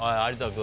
君。